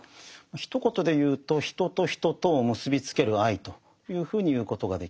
ひと言で言うと人と人とを結びつける愛というふうに言うことができます。